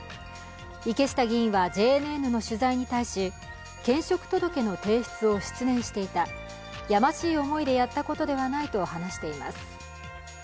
池下議員はＪＮＮの取材に対し、兼職届の提出を失念していた、やましい思いでやったことではないと話しています。